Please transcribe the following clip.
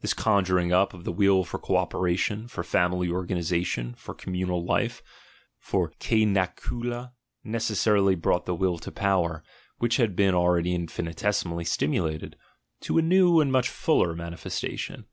This conjuring up of the will for co operation, for family organisation, for communal life, for "Coznacula," necessarily brought the Will for Power, which had been already infinitesimally stimulated, to a new and much fuller manifestation.